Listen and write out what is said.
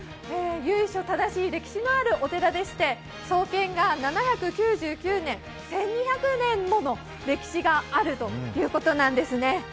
由緒正しい歴史のあるお寺でして創建が７９９年、１２００年もの歴史があるということなんですね。